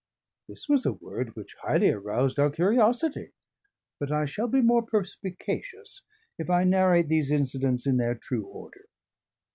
This was a word which highly aroused our curiosity, but I shall be more perspicacious if I narrate these incidents in their true order.